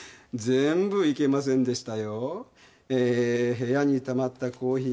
全部いけませんでした。